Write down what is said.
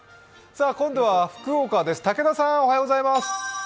今度は福岡です、武田さんおはようございます。